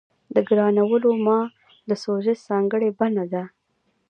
د ګرانولوما د سوزش ځانګړې بڼه ده.